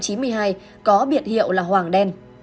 có biệt hiệu là hoàng đen